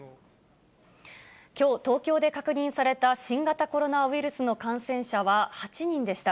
きょう、東京で確認された新型コロナウイルスの感染者は８人でした。